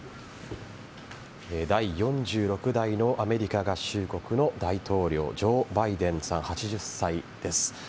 第４６代のアメリカ合衆国の大統領ジョー・バイデンさん８０歳です。